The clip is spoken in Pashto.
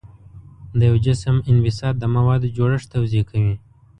د یو جسم انبساط د موادو جوړښت توضیح کوي.